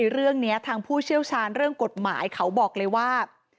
เรื่องนี้ทางผู้เชี่ยวชาญเรื่องกฎหมายเขาบอกเลยว่า